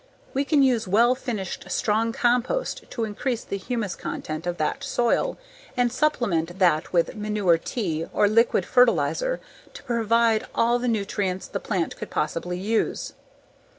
We can use well finished, strong compost to increase the humus content of that soil, and supplement that with manure tea or liquid fertilizer to provide all the nutrients the plant could possibly use.